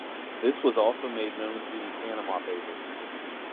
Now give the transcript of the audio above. This was also made known through the Panama Papers.